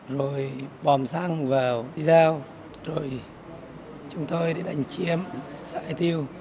rồi bòm xăng vào dao rồi chúng tôi đi đánh chiếm xảy tiêu